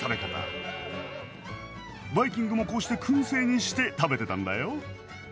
バイキングもこうして燻製にして食べてたんだよ。